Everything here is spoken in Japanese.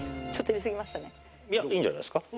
いやいいんじゃないですか？